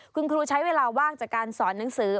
คุณครูใช้เวลาว่างจากการสอนหนังสือ